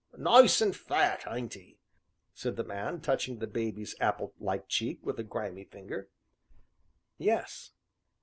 "Nice and fat, ain't 'e?" said the man, touching the baby's applelike cheek with a grimy finger. "Yes."